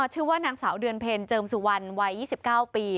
ชื่อว่านางสาวเดือนเพ็ญเจิมสุวรรณวัย๒๙ปี